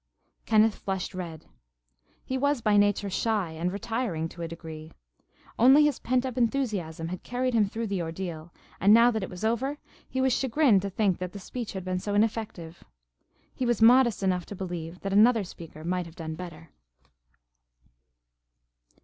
Kenneth flushed red. He was by nature shy and retiring to a degree. Only his pent up enthusiasm had carried him through the ordeal, and now that it was over he was chagrined to think that the speech had been so ineffective. He was modest enough to believe that another speaker might have done better.